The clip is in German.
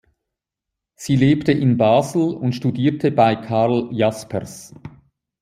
Sie lebte in Basel und studierte bei Karl Jaspers.